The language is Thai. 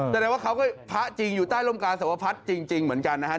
แสดงว่าเขาก็พระจริงอยู่ใต้ร่มกาสวพัฒน์จริงเหมือนกันนะฮะ